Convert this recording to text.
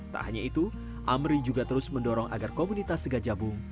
tak hanya itu amri juga terus mendorong agar komunitas segajabung